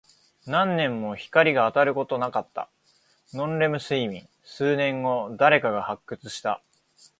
何年も光が当たることなかった。ノンレム睡眠。数年後、誰かが発掘した。